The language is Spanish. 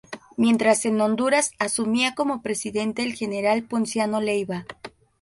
Mientras en Honduras asumía como Presidente el General Ponciano Leiva.